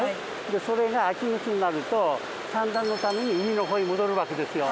でそれが秋口になると産卵のために海の方へ戻るわけですよ。